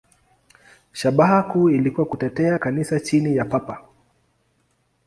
Shabaha kuu ilikuwa kutetea Kanisa chini ya Papa.